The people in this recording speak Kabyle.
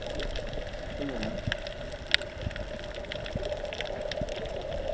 Ssekren-t.